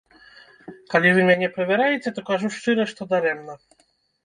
Калі вы мяне правяраеце, то кажу шчыра, што дарэмна.